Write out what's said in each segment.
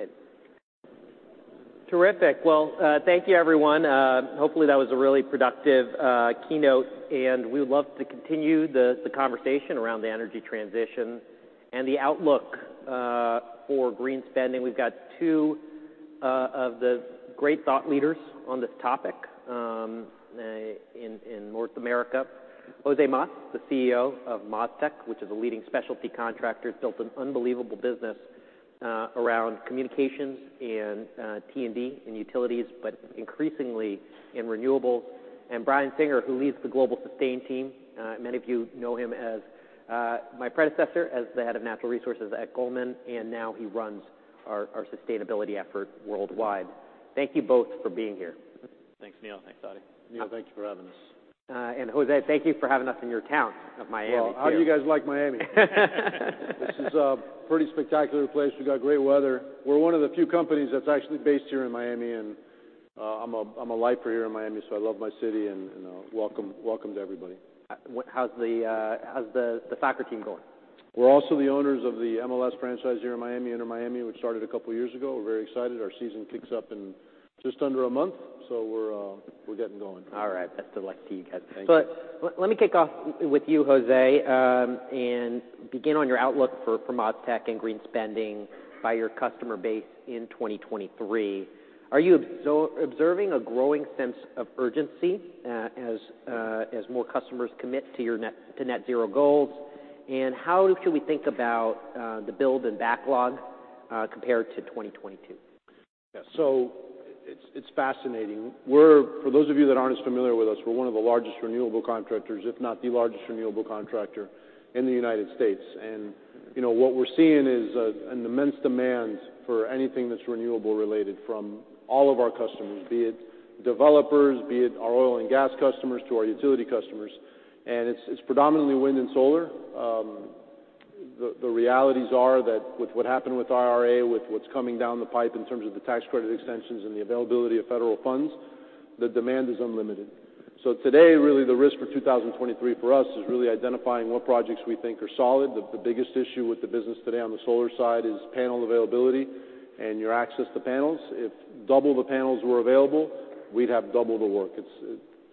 All right. Terrific. Well, thank you everyone. Hopefully that was a really productive keynote, and we would love to continue the conversation around the energy transition and the outlook for green spending. We've got two of the great thought leaders on this topic in North America. Jose Mas, the CEO of MasTec, which is a leading specialty contractor, has built an unbelievable business around communications and T&D and utilities, but increasingly in renewables. Brian Singer, who leads the GS SUSTAIN team. Many of you know him as my predecessor as the head of natural resources at Goldman, and now he runs our sustainability effort worldwide. Thank you both for being here. Thanks, Neil. Thanks, Adit. Neil, thank you for having us. Jose, thank you for having us in your town of Miami too. Well, how do you guys like Miami? This is a pretty spectacular place. We've got great weather. We're one of the few companies that's actually based here in Miami, and I'm a lifer here in Miami, so I love my city and, you know, welcome to everybody. How's the soccer team going? We're also the owners of the MLS franchise here in Miami, Inter Miami, which started a couple years ago. We're very excited. Our season kicks up in just under a month, so we're getting going. All right. Best of luck to you guys. Thank you. Let me kick off with you, Jose, and begin on your outlook from MasTec and green spending by your customer base in 2023. Are you observing a growing sense of urgency, as more customers commit to net zero goals? How can we think about the build and backlog compared to 2022? Yeah. It's fascinating. For those of you that aren't as familiar with us, we're one of the largest renewable contractors, if not the largest renewable contractor in the United States. You know, what we're seeing is an immense demand for anything that's renewable related from all of our customers, be it developers, be it our oil and gas customers to our utility customers. It's predominantly wind and solar. The realities are that with what happened with IRA, with what's coming down the pipe in terms of the tax credit extensions and the availability of federal funds, the demand is unlimited. Today, really the risk for 2023 for us is really identifying what projects we think are solid. The biggest issue with the business today on the solar side is panel availability and your access to panels.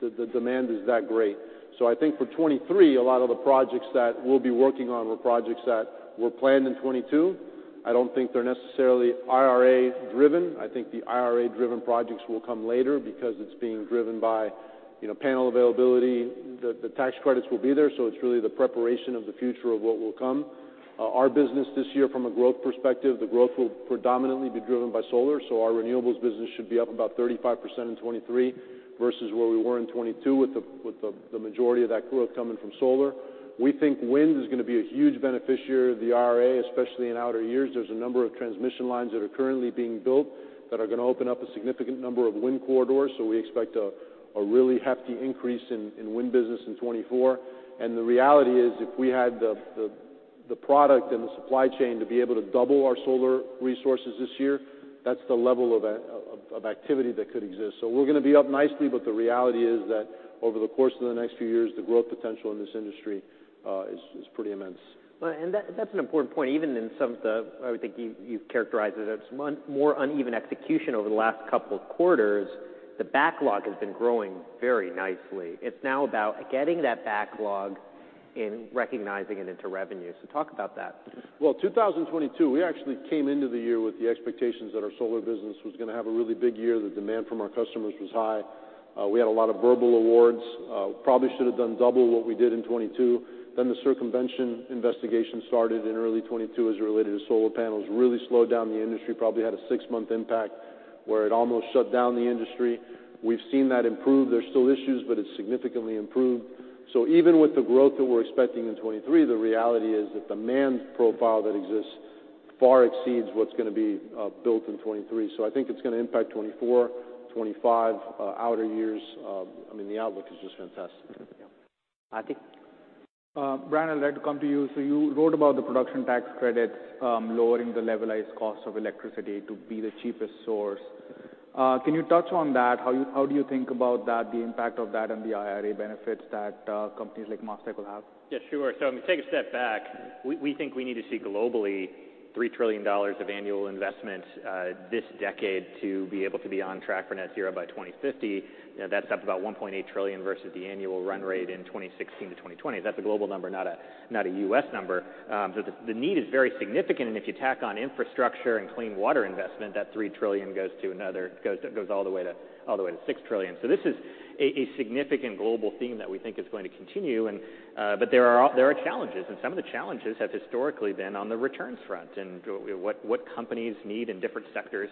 The demand is that great. I think for 2023, a lot of the projects that we'll be working on were projects that were planned in 2022. I don't think they're necessarily IRA driven. I think the IRA driven projects will come later because it's being driven by, you know, panel availability. The tax credits will be there, it's really the preparation of the future of what will come. Our business this year from a growth perspective, the growth will predominantly be driven by solar. Our renewables business should be up about 35% in 2023 versus where we were in 2022 with the majority of that growth coming from solar. We think wind is gonna be a huge beneficiary of the IRA, especially in outer years. There's a number of transmission lines that are currently being built that are gonna open up a significant number of wind corridors, so we expect a really hefty increase in wind business in 2024. The reality is, if we had the product and the supply chain to be able to double our solar resources this year, that's the level of activity that could exist. We're gonna be up nicely, but the reality is that over the course of the next few years, the growth potential in this industry is pretty immense. That's an important point. Even in some of the I would think you've characterized it as more uneven execution over the last couple of quarters. The backlog has been growing very nicely. It's now about getting that backlog and recognizing it into revenue. Talk about that. Well, 2022, we actually came into the year with the expectations that our solar business was gonna have a really big year. The demand from our customers was high. We had a lot of verbal awards. Probably should have done double what we did in 22. The circumvention investigation started in early 22 as related to solar panels. Really slowed down the industry, probably had a six-month impact where it almost shut down the industry. We've seen that improve. There's still issues, but it's significantly improved. Even with the growth that we're expecting in 23, the reality is the demand profile that exists far exceeds what's gonna be built in 23. I think it's gonna impact 24, 25, outer years. I mean, the outlook is just fantastic. Yeah. Adit? Brian, I'd like to come to you. You wrote about the Production Tax Credits, lowering the levelized cost of electricity to be the cheapest source. Can you touch on that? How do you think about that, the impact of that and the IRA benefits that companies like MasTec will have? Yeah, sure. I'm gonna take a step back. We think we need to see globally $3 trillion of annual investment this decade to be able to be on track for net zero by 2050. You know, that's up about $1.8 trillion versus the annual run rate in 2016 to 2020. That's a global number, not a U.S. number. The need is very significant, and if you tack on infrastructure and clean water investment, that $3 trillion goes all the way to $6 trillion. This is a significant global theme that we think is going to continue and. There are challenges, and some of the challenges have historically been on the returns front and what companies need in different sectors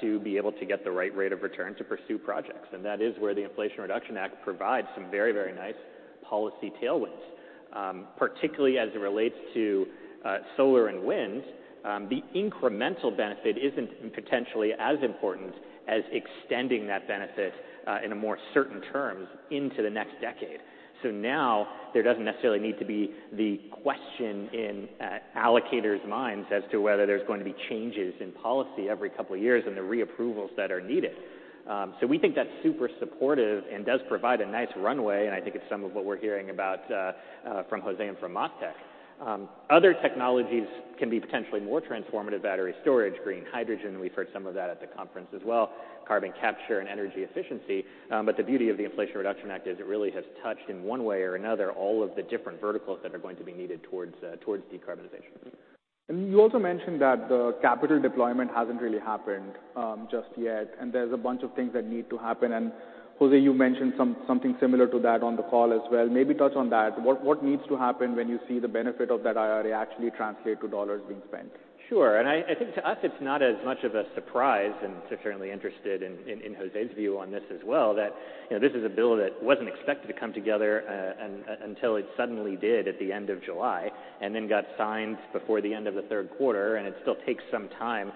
to be able to get the right rate of return to pursue projects. That is where the Inflation Reduction Act provides some very, very nice policy tailwinds. Particularly as it relates to solar and wind, the incremental benefit isn't potentially as important as extending that benefit in more certain terms into the next decade. Now there doesn't necessarily need to be the question in allocators' minds as to whether there's going to be changes in policy every couple of years and the reapprovals that are needed. We think that's super supportive and does provide a nice runway, and I think it's some of what we're hearing about from Jose and from MasTec. Other technologies can be potentially more transformative, battery storage, green hydrogen, we've heard some of that at the conference as well, carbon capture and energy efficiency. The beauty of the Inflation Reduction Act is it really has touched in one way or another all of the different verticals that are going to be needed towards decarbonization. You also mentioned that the capital deployment hasn't really happened just yet, and there's a bunch of things that need to happen. Jose, you mentioned something similar to that on the call as well. Maybe touch on that. What, what needs to happen when you see the benefit of that IRA actually translate to dollars being spent? Sure. I think to us it's not as much of a surprise, and certainly interested in Jose's view on this as well, that, you know, this is a bill that wasn't expected to come together until it suddenly did at the end of July, and then got signed before the end of the third quarter, and it still takes some time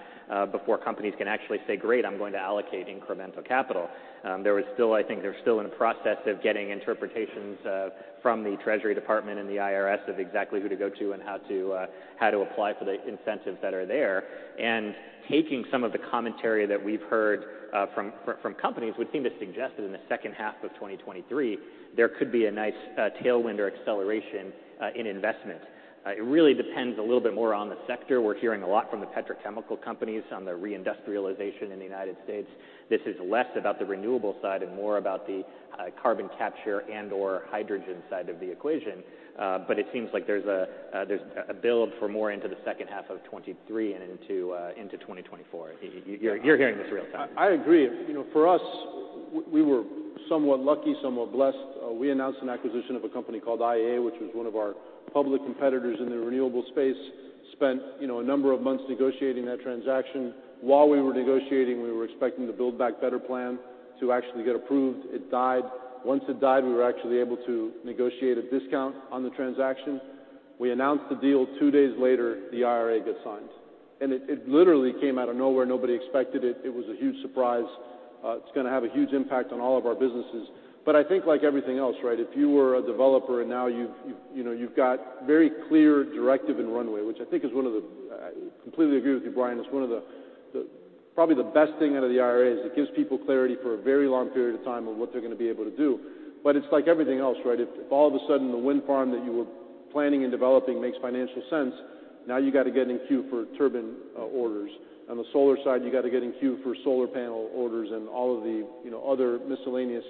before companies can actually say, "Great, I'm going to allocate incremental capital." There was still... I think they're still in the process of getting interpretations from the U.S. Department of the Treasury and the IRS of exactly who to go to and how to apply for the incentives that are there. Taking some of the commentary that we've heard from companies would seem to suggest that in the second half of 2023 there could be a nice tailwind or acceleration in investment. It really depends a little bit more on the sector. We're hearing a lot from the petrochemical companies on the reindustrialization in the United States. This is less about the renewable side and more about the carbon capture and/or hydrogen side of the equation. It seems like there's a build for more into the second half of 2023 and into 2024. You're hearing this real time. I agree. You know, for us, we were somewhat lucky, somewhat blessed. We announced an acquisition of a company called IEA, which was one of our public competitors in the renewable space. Spent, you know, a number of months negotiating that transaction. While we were negotiating, we were expecting the Build Back Better plan to actually get approved. It died. Once it died, we were actually able to negotiate a discount on the transaction. We announced the deal. Two days later, the IRA gets signed. It literally came out of nowhere. Nobody expected it. It was a huge surprise. It's gonna have a huge impact on all of our businesses. I think like everything else, right? If you were a developer and now you've, you know, you've got very clear directive and runway, which I think is one of the. I completely agree with you, Brian. It's one of the. Probably the best thing out of the IRA is it gives people clarity for a very long period of time on what they're gonna be able to do. But it's like everything else, right? If all of a sudden the wind farm that you were planning and developing makes financial sense, now you gotta get in queue for turbine orders. On the solar side, you gotta get in queue for solar panel orders and all of the, you know, other miscellaneous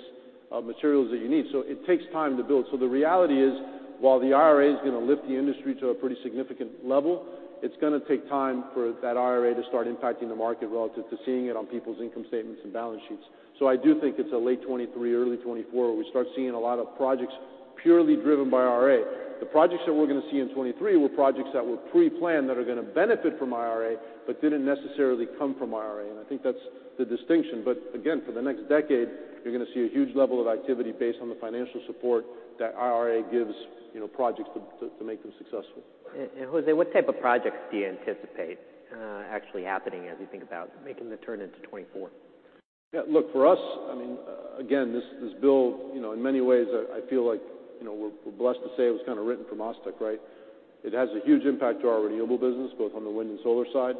materials that you need. So it takes time to build. So the reality is, while the IRA is gonna lift the industry to a pretty significant level, it's gonna take time for that IRA to start impacting the market relative to seeing it on people's income statements and balance sheets. I do think it's a late 2023, early 2024 where we start seeing a lot of projects purely driven by IRA. The projects that we're gonna see in 2023 were projects that were pre-planned that are gonna benefit from IRA, but didn't necessarily come from IRA, and I think that's the distinction. Again, for the next decade, you're gonna see a huge level of activity based on the financial support that IRA gives, you know, projects to make them successful. Jose, what type of projects do you anticipate actually happening as you think about making the turn into 2024? Yeah. Look, for us, I mean, again, this bill, you know, in many ways I feel like, you know, we're blessed to say it was kinda written for MasTec, right? It has a huge impact to our renewable business, both on the wind and solar side.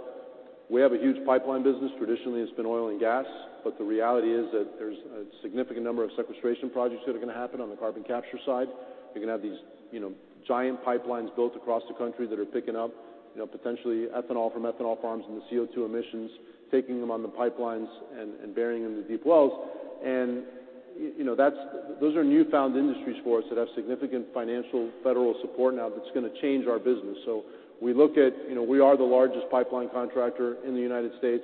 We have a huge pipeline business. Traditionally, it's been oil and gas. The reality is that there's a significant number of sequestration projects that are gonna happen on the carbon capture side. You're gonna have these, you know, giant pipelines built across the country that are picking up, you know, potentially ethanol from ethanol farms and the CO2 emissions, taking them on the pipelines and burying them in deep wells. You know, those are newfound industries for us that have significant financial federal support now that's gonna change our business. We look at. You know, we are the largest pipeline contractor in the United States.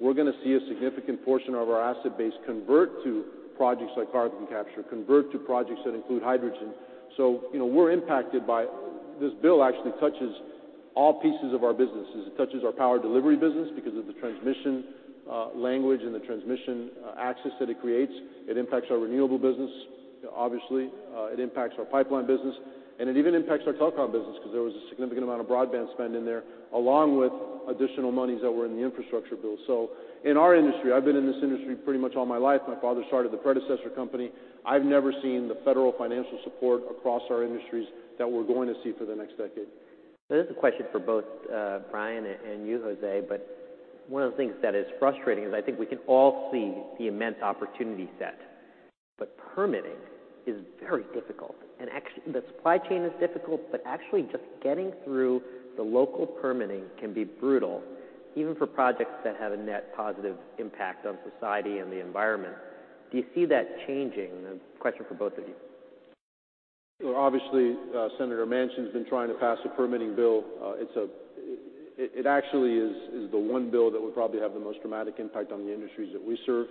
We're gonna see a significant portion of our asset base convert to projects like carbon capture, convert to projects that include hydrogen. You know, we're impacted by. This bill actually touches all pieces of our businesses. It touches our power delivery business because of the transmission language and the transmission access that it creates. It impacts our renewable business, obviously. It impacts our pipeline business, and it even impacts our telecom business 'cause there was a significant amount of broadband spend in there, along with additional monies that were in the infrastructure bill. In our industry, I've been in this industry pretty much all my life. My father started the predecessor company. I've never seen the federal financial support across our industries that we're going to see for the next decade. This is a question for both, Brian and you, Jose. One of the things that is frustrating is I think we can all see the immense opportunity set, but permitting is very difficult. Actually, the supply chain is difficult, but actually just getting through the local permitting can be brutal, even for projects that have a net positive impact on society and the environment. Do you see that changing? A question for both of you. Well, obviously, Senator Manchin's been trying to pass a permitting bill. It actually is the one bill that would probably have the most dramatic impact on the industries that we serve.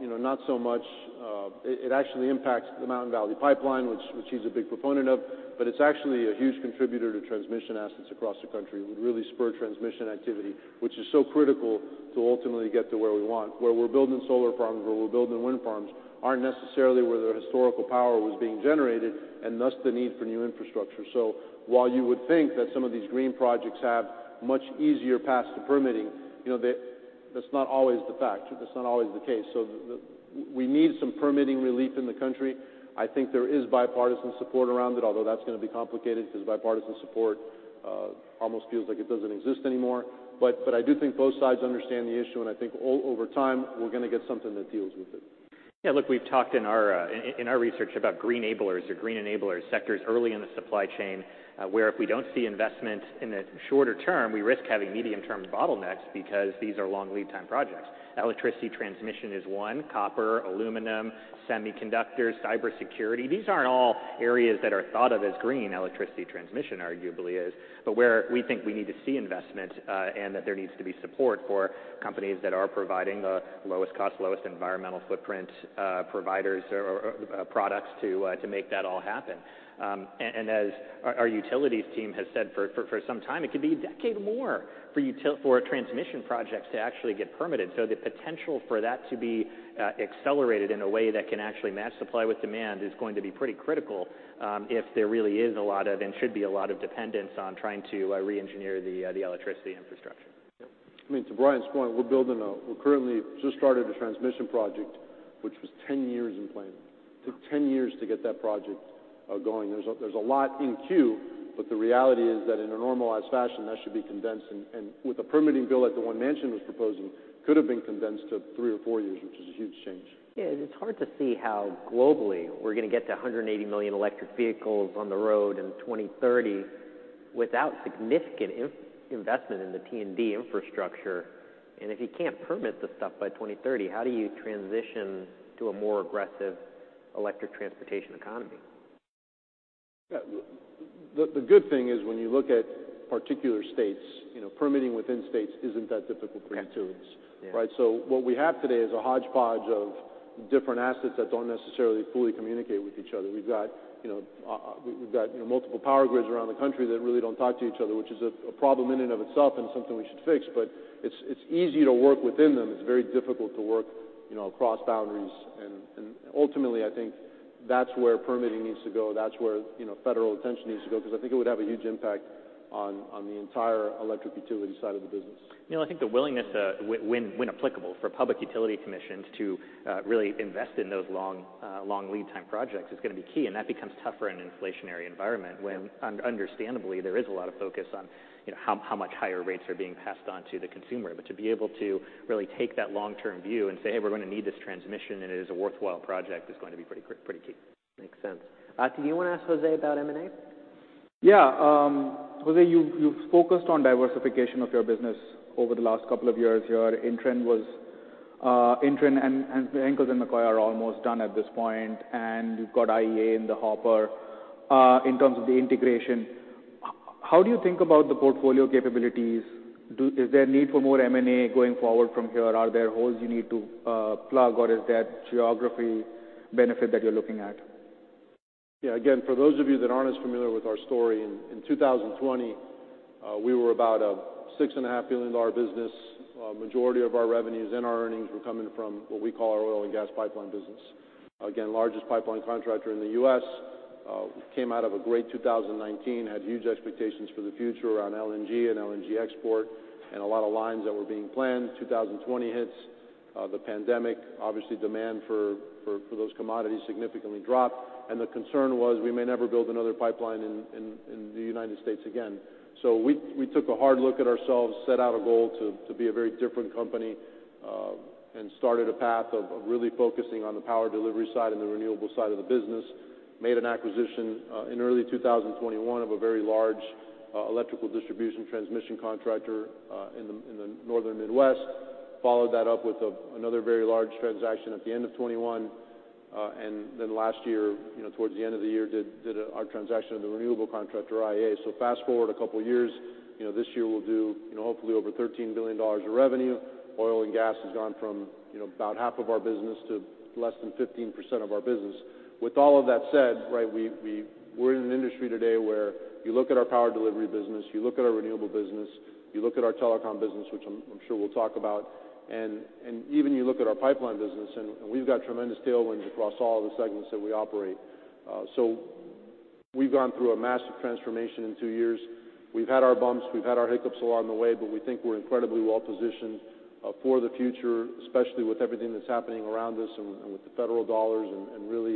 You know, not so much. It actually impacts the Mountain Valley Pipeline, which he's a big proponent of, but it's actually a huge contributor to transmission assets across the country. It would really spur transmission activity, which is so critical to ultimately get to where we want. Where we're building solar farms, where we're building wind farms aren't necessarily where the historical power was being generated, and thus the need for new infrastructure. While you would think that some of these green projects have much easier paths to permitting, you know, that's not always the fact. That's not always the case. We need some permitting relief in the country. I think there is bipartisan support around it, although that's gonna be complicated 'cause bipartisan support, almost feels like it doesn't exist anymore. I do think both sides understand the issue, and I think over time, we're gonna get something that deals with it. Yeah, look, we've talked in our research about green enablers, sectors early in the supply chain, where if we don't see investment in the shorter term, we risk having medium-term bottlenecks because these are long lead time projects. Electricity transmission is one. Copper, aluminum, semiconductors, cybersecurity. These aren't all areas that are thought of as green. Electricity transmission arguably is. Where we think we need to see investment and that there needs to be support for companies that are providing the lowest cost, lowest environmental footprint providers or products to make that all happen. And as our utilities team has said for some time, it could be a decade more for transmission projects to actually get permitted. The potential for that to be accelerated in a way that can actually match supply with demand is going to be pretty critical, if there really is a lot of and should be a lot of dependence on trying to re-engineer the electricity infrastructure. I mean, to Brian's point, We currently just started a transmission project which was 10 years in planning. Took 10 years to get that project going. There's a lot in queue, but the reality is that in a normalized fashion, that should be condensed. With a permitting bill like the one Manchin was proposing, could have been condensed to three or four years, which is a huge change. Yeah. It's hard to see how globally we're gonna get to 180 million electric vehicles on the road in 2030 without significant investment in the T&D infrastructure. If you can't permit this stuff by 2030, how do you transition to a more aggressive electric transportation economy? Yeah. The good thing is when you look at particular states, you know, permitting within states isn't that difficult for utilities. Right? What we have today is a hodgepodge of different assets that don't necessarily fully communicate with each other. We've got, you know, we've got, you know, multiple power grids around the country that really don't talk to each other, which is a problem in and of itself and something we should fix, but it's easy to work within them. It's very difficult to work, you know, across boundaries. Ultimately, I think that's where permitting needs to go. That's where, you know, federal attention needs to go 'cause I think it would have a huge impact on the entire electric utility side of the business. You know, I think the willingness, when applicable, for public utility commissions to really invest in those long lead time projects is gonna be key. That becomes tougher in an inflationary environment when understandably, there is a lot of focus on, you know, how much higher rates are being passed on to the consumer. To be able to really take that long-term view and say, "Hey, we're gonna need this transmission, and it is a worthwhile project," is going to be pretty key. Makes sense. Adit, do you wanna ask Jose about M&A? Yeah. Jose, you've focused on diversification of your business over the last couple of years. INTREN and Henkels & McCoy are almost done at this point, and you've got IEA in the hopper. In terms of the integration, how do you think about the portfolio capabilities? Is there a need for more M&A going forward from here? Are there holes you need to plug, or is that geography benefit that you're looking at? Yeah. Again, for those of you that aren't as familiar with our story, in 2020, we were about a $6.5 billion business. Majority of our revenues and our earnings were coming from what we call our oil and gas pipeline business. Again, largest pipeline contractor in the U.S. Came out of a great 2019, had huge expectations for the future around LNG and LNG export and a lot of lines that were being planned. 2020 hits, the pandemic. Obviously, demand for, for those commodities significantly dropped, and the concern was we may never build another pipeline in, in the United States again. We took a hard look at ourselves, set out a goal to be a very different company, and started a path of really focusing on the power delivery side and the renewable side of the business. Made an acquisition in early 2021 of a very large electrical distribution transmission contractor in the northern Midwest. Followed that up with another very large transaction at the end of 2021. Last year, you know, towards the end of the year, did our transaction of the renewable contractor, IEA. Fast-forward a couple years, you know, this year we'll do, you know, hopefully over $13 billion of revenue. Oil and gas has gone from, you know, about half of our business to less than 15% of our business. With all of that said, right, We're in an industry today where you look at our power delivery business, you look at our renewable business, you look at our telecom business, which I'm sure we'll talk about, and even you look at our pipeline business, and we've got tremendous tailwinds across all of the segments that we operate. We've gone through a massive transformation in two years. We've had our bumps, we've had our hiccups along the way, we think we're incredibly well-positioned for the future, especially with everything that's happening around us and with the federal dollars and really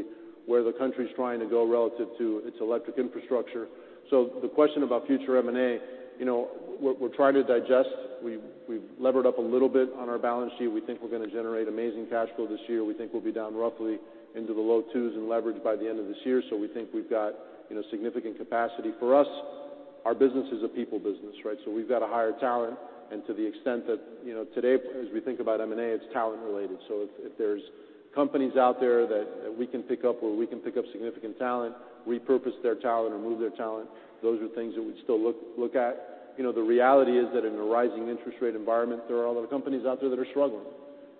where the country's trying to go relative to its electric infrastructure. The question about future M&A, you know, we're trying to digest. We've levered up a little bit on our balance sheet. We think we're gonna generate amazing cash flow this year. We think we'll be down roughly into the low 2s in leverage by the end of this year. We think we've got, you know, significant capacity. For us, our business is a people business, right? We've gotta hire talent. And to the extent that, you know, today as we think about M&A, it's talent related. If there's companies out there that we can pick up or we can pick up significant talent, repurpose their talent or move their talent, those are things that we'd still look at. You know, the reality is that in a rising interest rate environment, there are a lot of companies out there that are struggling.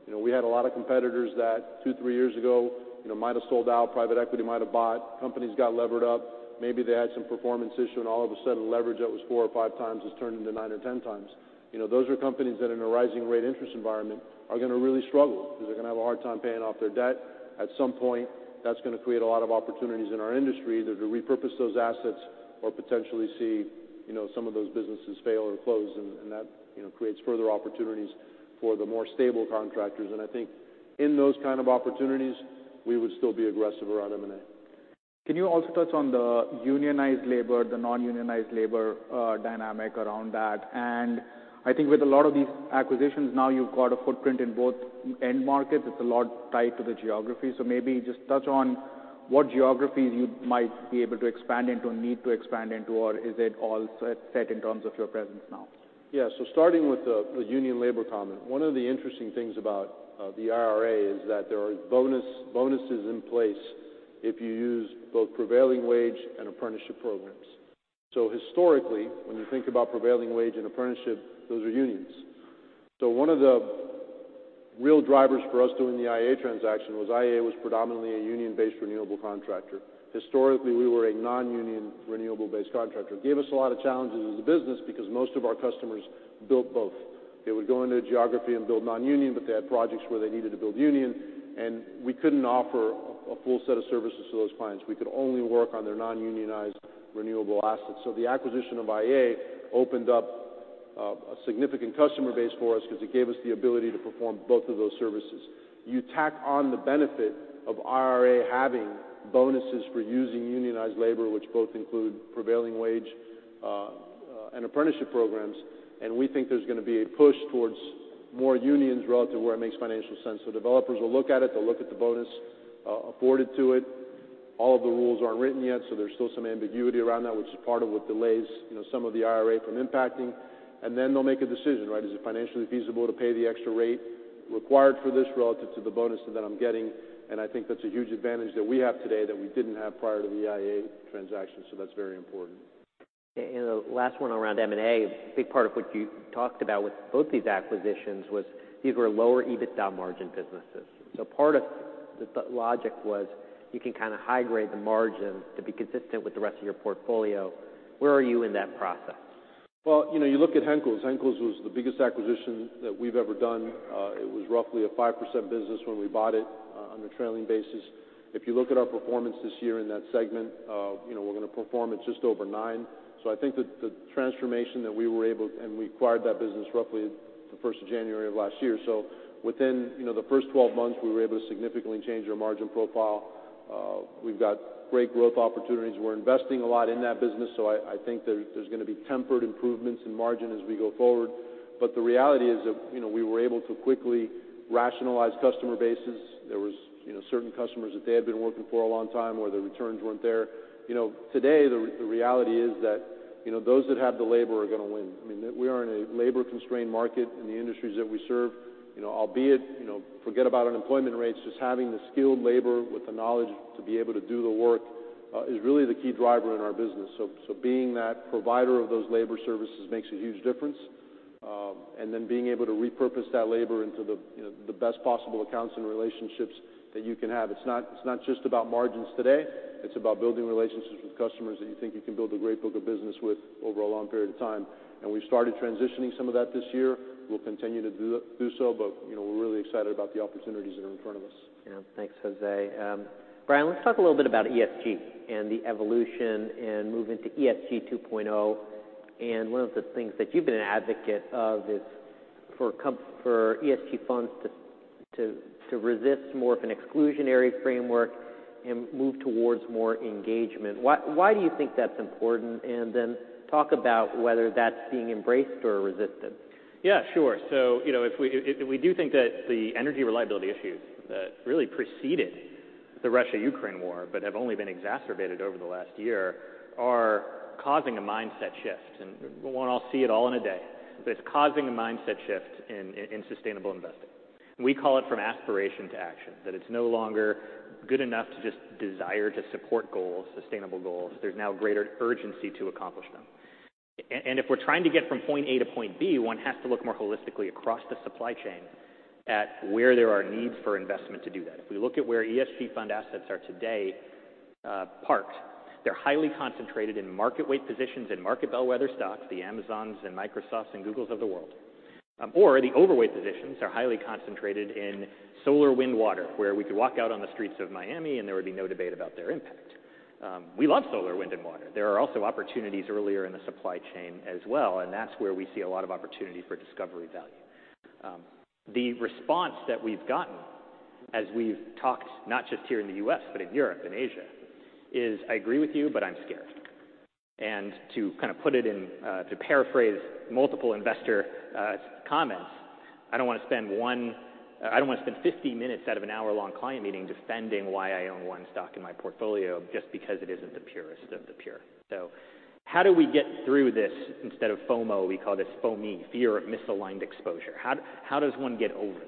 You know, we had a lot of competitors that two, three years ago, you know, might have sold out, private equity might have bought. Companies got levered up. Maybe they had some performance issue, All of a sudden leverage that was 4x or 5x has turned into 9x or 10x. You know, those are companies that in a rising rate interest environment are gonna really struggle 'cause they're gonna have a hard time paying off their debt. At some point, that's gonna create a lot of opportunities in our industry either to repurpose those assets or potentially see, you know, some of those businesses fail or close, and that, you know, creates further opportunities for the more stable contractors. I think in those kind of opportunities, we would still be aggressive around M&A. Can you also touch on the unionized labor, the non-unionized labor, dynamic around that? I think with a lot of these acquisitions now you've got a footprint in both end markets. It's a lot tied to the geography. Maybe just touch on what geographies you might be able to expand into or need to expand into, or is it all set in terms of your presence now? Yeah. Starting with the union labor comment. One of the interesting things about the IRA is that there are bonuses in place if you use both prevailing wage and apprenticeship programs. Historically, when you think about prevailing wage and apprenticeship, those are unions. One of the real drivers for us doing the IEA transaction was IEA was predominantly a union-based renewable contractor. Historically, we were a non-union renewable-based contractor. It gave us a lot of challenges as a business because most of our customers built both. They would go into a geography and build non-union, but they had projects where they needed to build union, and we couldn't offer a full set of services to those clients. We could only work on their non-unionized renewable assets. The acquisition of IEA opened up a significant customer base for us because it gave us the ability to perform both of those services. You tack on the benefit of IRA having bonuses for using unionized labor, which both include prevailing wage and apprenticeship programs, and we think there's gonna be a push towards more unions relative to where it makes financial sense. Developers will look at it, they'll look at the bonus afforded to it. All of the rules aren't written yet, so there's still some ambiguity around that, which is part of what delays, you know, some of the IRA from impacting. Then they'll make a decision, right? Is it financially feasible to pay the extra rate required for this relative to the bonus that I'm getting? I think that's a huge advantage that we have today that we didn't have prior to the IEA transaction. That's very important. The last one around M&A is a big part of what you talked about with both these acquisitions was these were lower EBITDA margin businesses. Part of the logic was you can kind of high grade the margin to be consistent with the rest of your portfolio. Where are you in that process? You know, you look at Henkels. Henkels was the biggest acquisition that we've ever done. It was roughly a 5% business when we bought it on a trailing basis. If you look at our performance this year in that segment, you know, we're gonna perform at just over 9%. I think that the transformation that we were able. We acquired that business roughly the 1st of January of last year. Within, you know, the first 12 months, we were able to significantly change our margin profile. We've got great growth opportunities. We're investing a lot in that business, so I think there's gonna be tempered improvements in margin as we go forward. The reality is that, you know, we were able to quickly rationalize customer bases. There was, you know, certain customers that they had been working for a long time, or their returns weren't there. You know, today, the reality is that, you know, those that have the labor are gonna win. I mean, we are in a labor-constrained market in the industries that we serve. You know, albeit, you know, forget about unemployment rates, just having the skilled labor with the knowledge to be able to do the work, is really the key driver in our business. Being that provider of those labor services makes a huge difference. And then being able to repurpose that labor into the, you know, the best possible accounts and relationships that you can have. It's not just about margins today, it's about building relationships with customers that you think you can build a great book of business with over a long period of time. We started transitioning some of that this year. We'll continue to do so. You know, we're really excited about the opportunities that are in front of us. Yeah. Thanks, Jose. Brian, let's talk a little bit about ESG and the evolution and move into ESG 2.0. One of the things that you've been an advocate of is for ESG funds to resist more of an exclusionary framework and move towards more engagement. Why do you think that's important? Then talk about whether that's being embraced or resisted. Yeah, sure. You know, we do think that the energy reliability issues that really preceded the Russia-Ukraine war, but have only been exacerbated over the last year, are causing a mindset shift. One will see it all in a day. It's causing a mindset shift in sustainable investing. We call it from aspiration to action, that it's no longer good enough to just desire to support goals, sustainable goals. There's now greater urgency to accomplish them. If we're trying to get from point A to point B, one has to look more holistically across the supply chain at where there are needs for investment to do that. If we look at where ESG fund assets are today, parked, they're highly concentrated in market weight positions, in market bellwether stocks, the Amazons and Microsofts and Googles of the world. The overweight positions are highly concentrated in solar, wind, water, where we could walk out on the streets of Miami and there would be no debate about their impact. We love solar, wind, and water. There are also opportunities earlier in the supply chain as well, and that's where we see a lot of opportunity for discovery value. The response that we've gotten as we've talked, not just here in the U.S., but in Europe and Asia, is, "I agree with you, but I'm scared." To kind of put it in, to paraphrase multiple investor comments, I don't wanna spend 50 minutes out of an hour-long client meeting defending why I own 1 stock in my portfolio just because it isn't the purest of the pure. How do we get through this? Instead of FOMO, we call this FOME, fear of misaligned exposure. How does one get over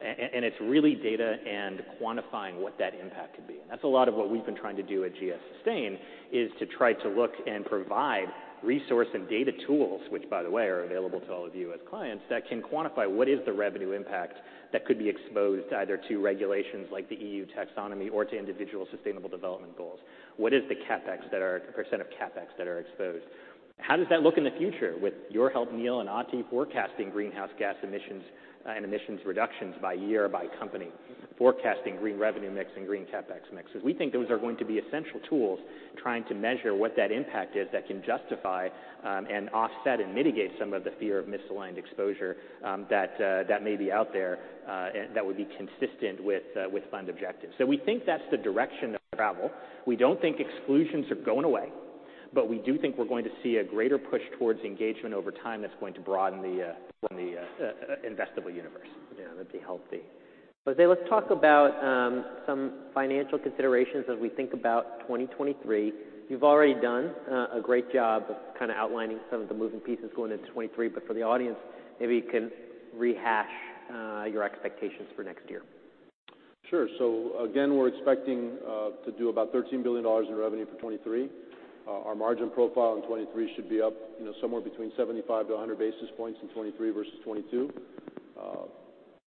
that? It's really data and quantifying what that impact could be. That's a lot of what we've been trying to do at GS SUSTAIN, is to try to look and provide resource and data tools, which by the way, are available to all of you as clients, that can quantify what is the revenue impact that could be exposed either to regulations like the EU Taxonomy or to individual Sustainable Development Goals. What is the percent of CapEx that are exposed? How does that look in the future with your help, Neil and Adit, forecasting greenhouse gas emissions, and emissions reductions by year, by company, forecasting green revenue mix and green CapEx mixes? We think those are going to be essential tools trying to measure what that impact is that can justify, and offset and mitigate some of the fear of misaligned exposure that may be out there, and that would be consistent with fund objectives. We think that's the direction of travel. We don't think exclusions are going away. We do think we're going to see a greater push towards engagement over time that's going to broaden from the investable universe. Yeah, that'd be healthy. Jose, let's talk about some financial considerations as we think about 2023. You've already done a great job of kinda outlining some of the moving pieces going into 23. For the audience, maybe you can rehash your expectations for next year. Sure. Again, we're expecting to do about $13 billion in revenue for 2023. Our margin profile in 2023 should be up, you know, somewhere between 75 to 100 basis points in 2023 versus 2022.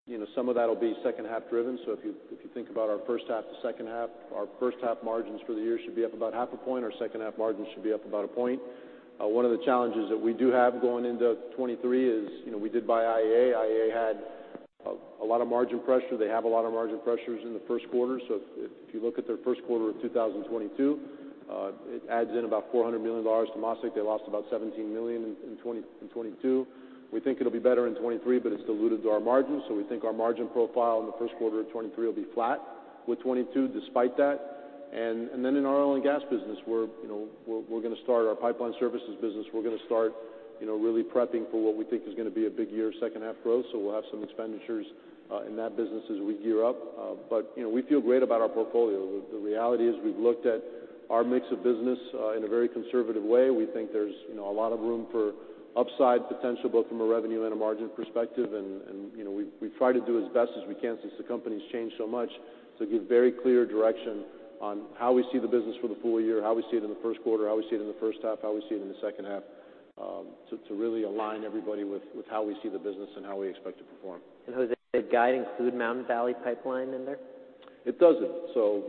You know, some of that'll be second half driven. If you think about our first half to second half, our first half margins for the year should be up about half a point, our second half margins should be up about a point. One of the challenges that we do have going into 2023 is, you know, we did buy IEA. IEA had a lot of margin pressure. They have a lot of margin pressures in the first quarter. If you look at their first quarter of 2022, it adds in about $400 million to MasTec. They lost about $17 million in 2022. We think it'll be better in 2023, but it's diluted to our margins. We think our margin profile in the first quarter of 2023 will be flat with 2022 despite that. In our oil and gas business, we're, you know, we're gonna start our pipeline services business. We're gonna start, you know, really prepping for what we think is gonna be a big year second half growth. We'll have some expenditures in that business as we gear up. You know, we feel great about our portfolio. The reality is we've looked at our mix of business in a very conservative way. We think there's, you know, a lot of room for upside potential, both from a revenue and a margin perspective. You know, we try to do as best as we can since the company's changed so much to give very clear direction on how we see the business for the full year, how we see it in the first quarter, how we see it in the first half, how we see it in the second half, to really align everybody with how we see the business and how we expect to perform. Jose, does that guide include Mountain Valley Pipeline in there? It doesn't.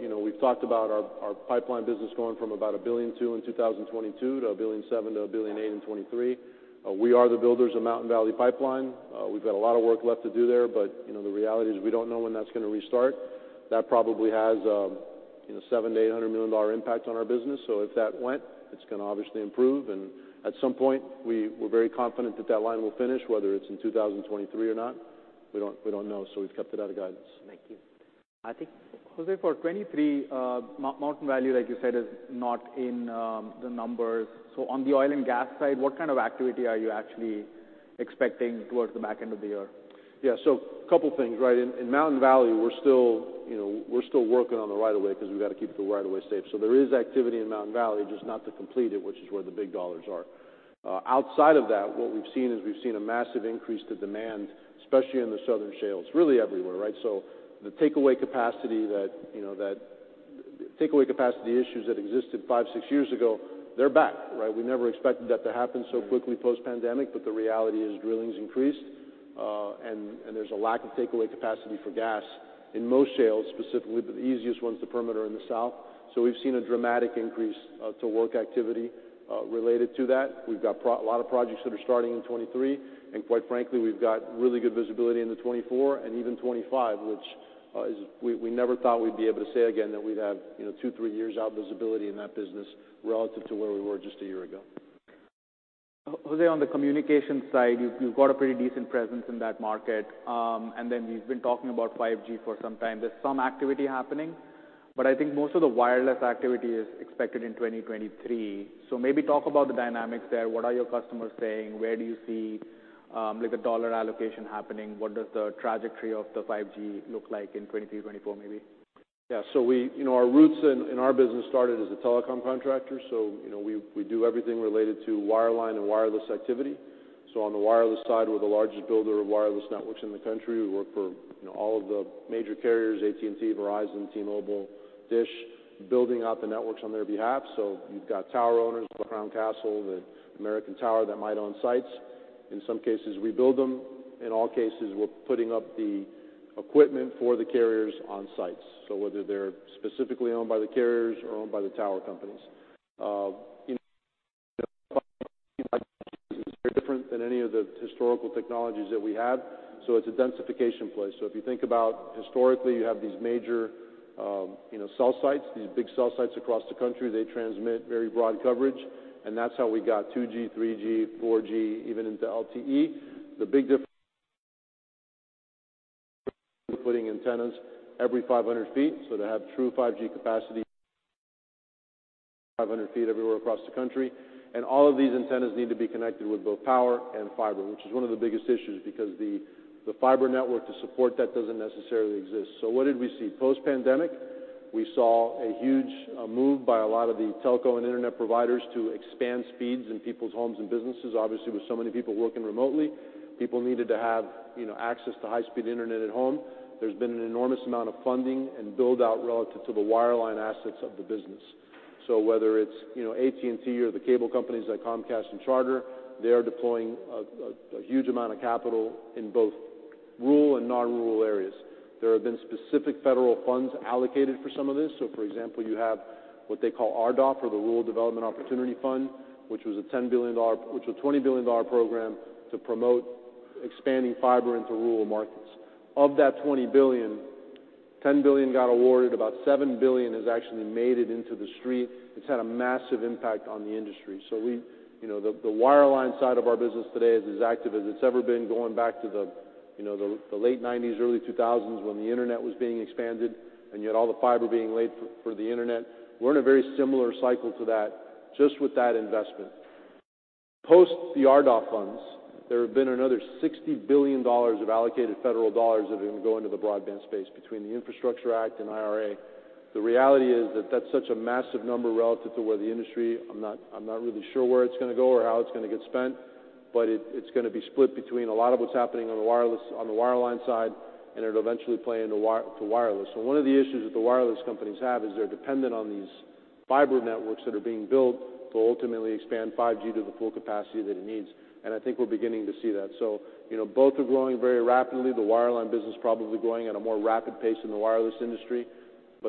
You know, we've talked about our pipeline business going from about $1.2 billion in 2022 to $1.7 billion to $1.8 billion in 2023. We are the builders of Mountain Valley Pipeline. We've got a lot of work left to do there, but, you know, the reality is we don't know when that's gonna restart. That probably has, you know, $700 million to $800 million impact on our business. If that went, it's gonna obviously improve. At some point, we're very confident that that line will finish, whether it's in 2023 or not. We don't know, so we've kept it out of guidance. Thank you. Jose, for 23, Mountain Valley, like you said, is not in, the numbers. On the oil and gas side, what kind of activity are you actually expecting towards the back end of the year? Couple things, right? In Mountain Valley, we're still, you know, we're still working on the right of way 'cause we've gotta keep the right of way safe. There is activity in Mountain Valley, just not to complete it, which is where the big dollars are. Outside of that, what we've seen is we've seen a massive increase to demand, especially in the southern shales, really everywhere, right? The takeaway capacity that, you know, takeaway capacity issues that existed five, six years ago, they're back, right? We never expected that to happen so quickly post-pandemic, but the reality is drilling's increased, and there's a lack of takeaway capacity for gas in most shales, specifically the easiest ones, the Permian in the south. We've seen a dramatic increase to work activity related to that. We've got a lot of projects that are starting in 2023, and quite frankly, we've got really good visibility into 2024 and even 2025, which is we never thought we'd be able to say again that we'd have, you know, two, three years out visibility in that business relative to where we were just a year ago. Jose, on the communication side, you've got a pretty decent presence in that market. You've been talking about 5G for some time. There's some activity happening, but I think most of the wireless activity is expected in 2023. Maybe talk about the dynamics there. What are your customers saying? Where do you see, like a dollar allocation happening? What does the trajectory of the 5G look like in 2023, 2024 maybe? We, you know, our roots in our business started as a telecom contractor. You know, we do everything related to wireline and wireless activity. On the wireless side, we're the largest builder of wireless networks in the country. We work for, you know, all of the major carriers, AT&T, Verizon, T-Mobile, Dish, building out the networks on their behalf. You've got tower owners like Crown Castle, the American Tower that might own sites. In some cases, we build them. In all cases, we're putting up the equipment for the carriers on sites. Whether they're specifically owned by the carriers or owned by the tower companies. You know, 5G is very different than any of the historical technologies that we have, it's a densification play. If you think about historically, you have these major, you know, cell sites, these big cell sites across the country. They transmit very broad coverage, that's how we got 2G, 3G, 4G, even into LTE. The big difference with 5G is we're putting antennas every 500 feet, to have true 5G capacity, you need an antenna every 500 feet everywhere across the country. All of these antennas need to be connected with both power and fiber, which is one of the biggest issues because the fiber network to support that doesn't necessarily exist. What did we see? Post-pandemic, we saw a huge move by a lot of the telco and internet providers to expand speeds in people's homes and businesses. Obviously, with so many people working remotely, people needed to have, you know, access to high-speed internet at home. There's been an enormous amount of funding and build-out relative to the wireline assets of the business. Whether it's, you know, AT&T or the cable companies like Comcast and Charter, they are deploying a huge amount of capital in both rural and non-rural areas. There have been specific federal funds allocated for some of this. For example, you have what they call RDOF or the Rural Digital Opportunity Fund, which was a $20 billion program to promote expanding fiber into rural markets. Of that $20 billion, $10 billion got awarded. About $7 billion has actually made it into the street. It's had a massive impact on the industry. You know, the wireline side of our business today is as active as it's ever been going back to the, you know, the late nineties, early two thousands when the internet was being expanded and you had all the fiber being laid for the internet. We're in a very similar cycle to that just with that investment. Post the ARPA funds, there have been another $60 billion of allocated federal dollars that are gonna go into the broadband space between the Infrastructure Act and IRA. The reality is that that's such a massive number relative to where the industry... I'm not really sure where it's gonna go or how it's gonna get spent, but it's gonna be split between a lot of what's happening on the wireline side, and it'll eventually play into wireless. One of the issues that the wireless companies have is they're dependent on these fiber networks that are being built to ultimately expand 5G to the full capacity that it needs. I think we're beginning to see that. You know, both are growing very rapidly. The wireline business probably growing at a more rapid pace than the wireless industry.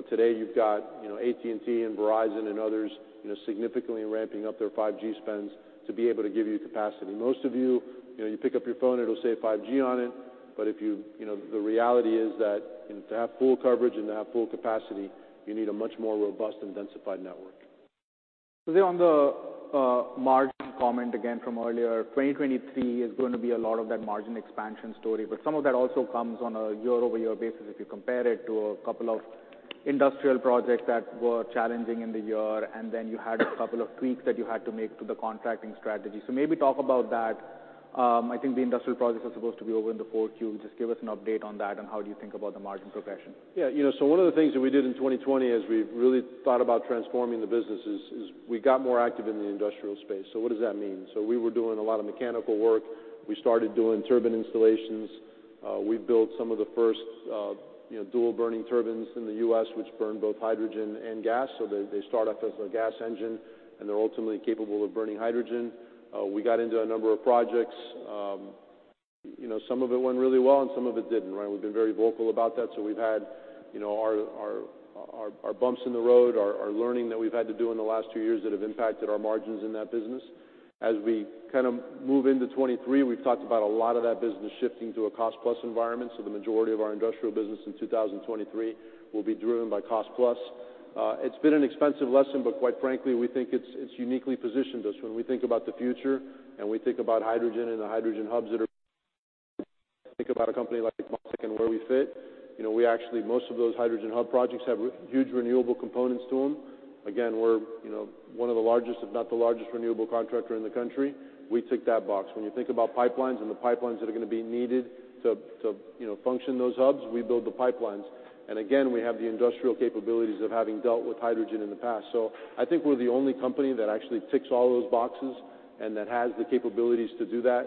Today you've got, you know, AT&T and Verizon and others, you know, significantly ramping up their 5G spends to be able to give you capacity. Most of you know, you pick up your phone, it'll say 5G on it, the reality is that to have full coverage and to have full capacity, you need a much more robust and densified network. Jose, on the margin comment again from earlier, 2023 is going to be a lot of that margin expansion story. Some of that also comes on a year-over-year basis if you compare it to a couple of industrial projects that were challenging in the year, and then you had a couple of tweaks that you had to make to the contracting strategy. Maybe talk about that. I think the industrial projects are supposed to be over in the 4Q. Just give us an update on that and how you think about the margin progression. Yeah. You know, one of the things that we did in 2020 as we really thought about transforming the business is we got more active in the industrial space. What does that mean? We were doing a lot of mechanical work. We started doing turbine installations. We built some of the first, you know, dual burning turbines in the U.S., which burn both hydrogen and gas. They start off as a gas engine, and they're ultimately capable of burning hydrogen. We got into a number of projects. You know, some of it went really well and some of it didn't, right? We've been very vocal about that. We've had, you know, our bumps in the road, our learning that we've had to do in the last two years that have impacted our margins in that business. As we kind of move into 23, we've talked about a lot of that business shifting to a cost-plus environment. The majority of our industrial business in 2023 will be driven by cost-plus. It's been an expensive lesson, but quite frankly, we think it's uniquely positioned us. When we think about the future and we think about hydrogen and the hydrogen hubs, think about a company like MasTec and where we fit. You know, most of those hydrogen hub projects have huge renewable components to them. Again, we're, you know, one of the largest, if not the largest renewable contractor in the country. We tick that box. When you think about pipelines and the pipelines that are gonna be needed to, you know, function those hubs, we build the pipelines. Again, we have the industrial capabilities of having dealt with hydrogen in the past. I think we're the only company that actually ticks all those boxes and that has the capabilities to do that,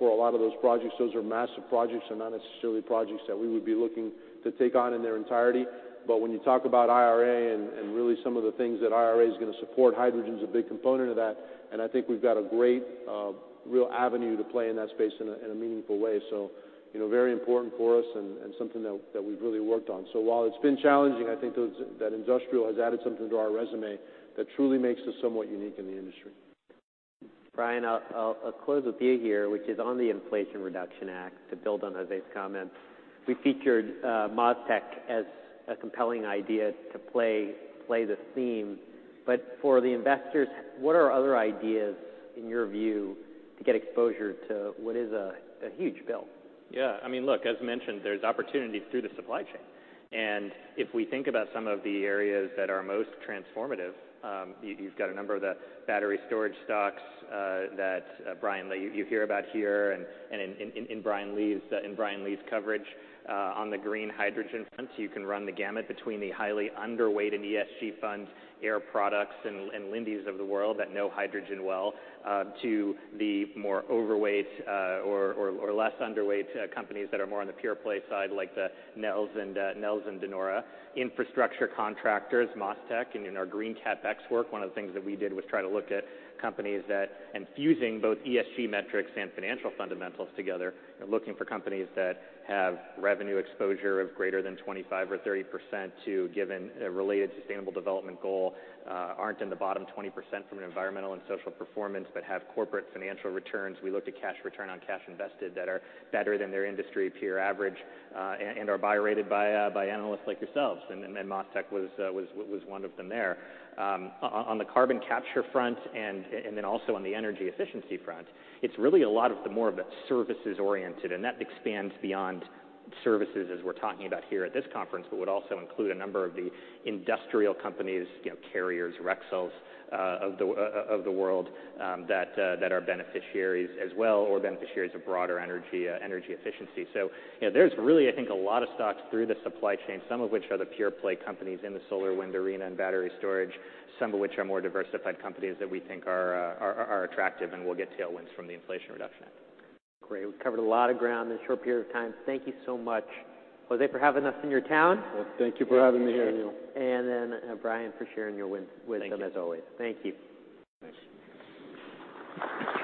for a lot of those projects. Those are massive projects. They're not necessarily projects that we would be looking to take on in their entirety. When you talk about IRA and really some of the things that IRA is gonna support, hydrogen's a big component of that, and I think we've got a great, real avenue to play in that space in a, in a meaningful way. You know, very important for us and something that we've really worked on. While it's been challenging, I think that industrial has added something to our resume that truly makes us somewhat unique in the industry. Brian, I'll close with you here, which is on the Inflation Reduction Act to build on Jose's comments. We featured MasTec as a compelling idea to play the theme. For the investors, what are other ideas in your view to get exposure to what is a huge bill? I mean, look, as mentioned, there's opportunities through the supply chain. If we think about some of the areas that are most transformative, you've got a number of the battery storage stocks that Brian Lee, you hear about here and in Brian Lee's coverage on the green hydrogen front. You can run the gamut between the highly underweight and ESG funds, Air Products and Linde of the world that know hydrogen well, to the more overweight or less underweight companies that are more on the pure play side, like the Nel and De Nora. Infrastructure contractors, MasTec. In our green CapEx work, one of the things that we did was try to look at companies that. Fusing both ESG metrics and financial fundamentals together and looking for companies that have revenue exposure of greater than 25% or 30% to given a related Sustainable Development Goal, aren't in the bottom 20% from an environmental and social performance, but have corporate financial returns. We looked at cash return on cash invested that are better than their industry peer average, and are buy rated by analysts like yourselves, and MasTec was one of them there. On the carbon capture front and then also on the energy efficiency front, it's really a lot of the more of a services oriented, and that expands beyond services as we're talking about here at this conference, but would also include a number of the industrial companies, you know, Carrier, Rexel of the world that are beneficiaries as well or beneficiaries of broader energy efficiency. You know, there's really, I think a lot of stocks through the supply chain, some of which are the pure play companies in the solar wind arena and battery storage, some of which are more diversified companies that we think are attractive and will get tailwinds from the Inflation Reduction Act. Great. We've covered a lot of ground in a short period of time. Thank you so much, Jose, for having us in your town. Well, thank you for having me here, Neil. Brian for sharing your wisdom as always. Thank you. Thank you. Thanks.